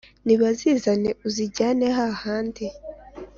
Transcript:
nibazizane uzijyane, hahandi